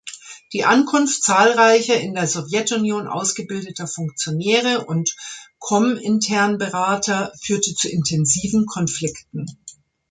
Die Ankunft zahlreicher in der Sowjetunion ausgebildeter Funktionäre und Komintern-Berater führte zu intensiven Konflikten.